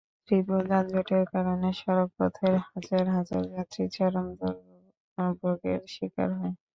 তীব্র যানজটের কারণে সড়কপথের হাজার হাজার যাত্রী চরম দুর্ভোগের শিকার হয়।